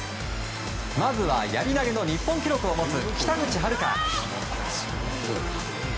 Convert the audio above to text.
まずは、やり投げの日本記録を持つ北口榛花。